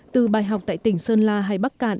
từ bài học tại tỉnh sơn la hay bắc cạn